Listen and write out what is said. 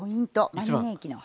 マリネ液の。